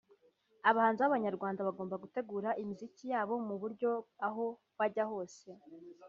Abahanzi b’abanyarwanda bagomba gutegura imiziki yabo mu buryo aho wajya hose